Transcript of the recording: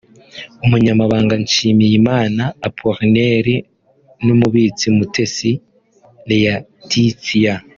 Umunyamabanga Nshimiyimana Apollinaire n’ umubitsi Mutesi Leatitia